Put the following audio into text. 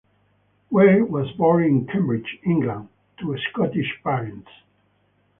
Weir was born in Cambridge, England, to Scottish parents.